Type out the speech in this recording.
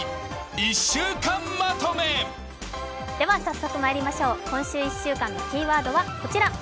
早速まいりましょう、今週１週間のキーワードはこちら。